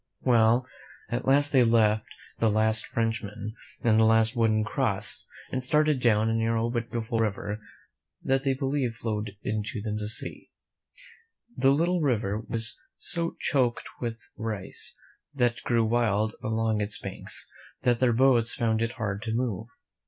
3^ Well, at last they left the last Frenchman and the last wooden cross, and started down a narrow but beautiful river that they believed flowed into the Mississippi. The little river was so choked with rice that grew wild along its banks that the boats found it hard to move.